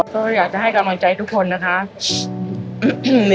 ก็อยากจะให้กำลังใจทุกคนนะคะ